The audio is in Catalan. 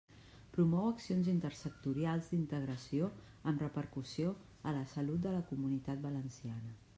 Promou accions intersectorials d'integració amb repercussió en la salut a la Comunitat Valenciana.